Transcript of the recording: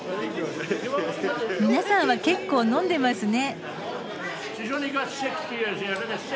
皆さんは結構飲んでますね。